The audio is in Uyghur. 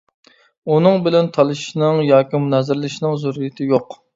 ئۇنىڭ بىلەن تالىشىشنىڭ ياكى مۇنازىرىلىشىشنىڭ زۆرۈرىيىتى يوق.